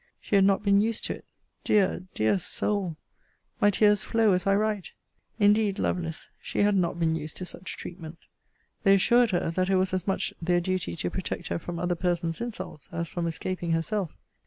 She had not been used to it!!! Dear, dear soul! My tears flow as I write! Indeed, Lovelace, she had not been used to such treatment. They assured her, that it was as much their duty to protect her from other persons' insults, as from escaping herself.